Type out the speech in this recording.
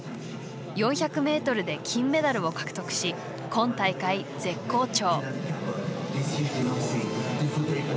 ４００ｍで金メダルを獲得し今大会絶好調。